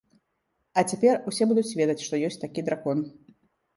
А цяпер усе будуць ведаць, што ёсць такі дракон.